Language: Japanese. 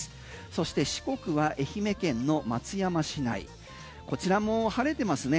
そして四国は愛媛県の松山市内こちらも晴れてますね。